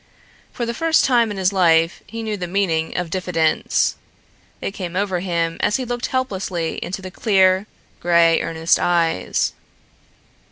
For the first time in his life he knew the meaning of diffidence. It came over him as he looked helplessly into the clear, gray, earnest eyes.